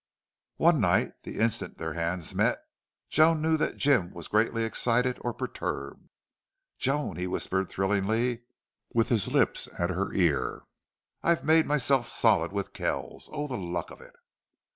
One night, the instant their hands met Joan knew that Jim was greatly excited or perturbed. "Joan," he whispered, thrillingly, with his lips at her ear, "I've made myself solid with Kells! Oh, the luck of it!"